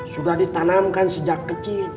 sudah ditanamkan sejak kecil